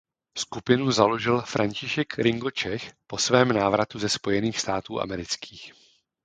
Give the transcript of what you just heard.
Skupinu založil František Ringo Čech po svém návratu ze Spojených států amerických.